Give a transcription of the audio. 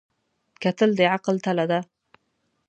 کتل د عقل تله ده